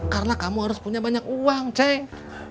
karena kamu harus punya banyak uang ceng